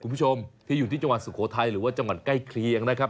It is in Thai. คุณผู้ชมที่อยู่ที่จังหวัดสุโขทัยหรือว่าจังหวัดใกล้เคียงนะครับ